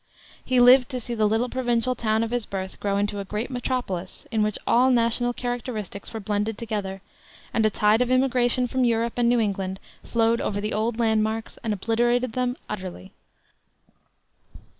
He lived to see the little provincial town of his birth grow into a great metropolis, in which all national characteristics were blended together, and a tide of immigration from Europe and New England flowed over the old landmarks and obliterated them utterly.